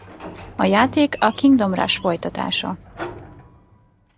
A játék a Kingdom Rush folytatása.